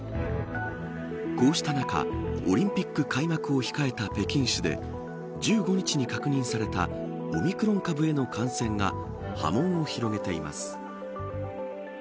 こうした中、オリンピック開幕を控えた北京市で１５日に確認されたオミクロン株への感染が波紋を広げています。